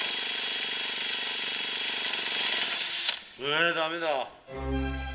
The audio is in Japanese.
えダメだ。